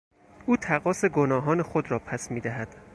او تقاص گناهان خود را پس میدهد.